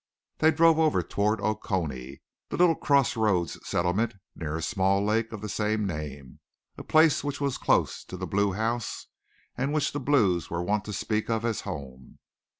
They drove over toward Okoonee, a little crossroads settlement, near a small lake of the same name, a place which was close to the Blue house, and which the Blue's were wont to speak of as "home."